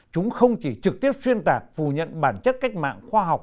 chúng không chỉ trực tiếp xuyên tạc phủ nhận bản chất cách mạng khoa học